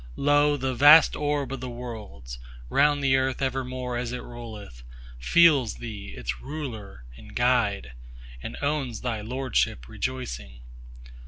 Lo, the vast orb of the Worlds, round the Earth evermore as it rolleth, Feels Thee its Ruler and Guide, and owns Thy lordship rejoicing.